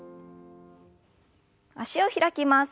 脚を開きます。